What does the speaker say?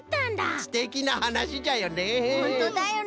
すてきなはなしじゃよね。